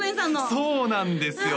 そうなんですよ